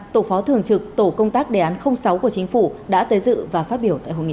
tổ phó thường trực tổ công tác đề án sáu của chính phủ đã tới dự và phát biểu tại hội nghị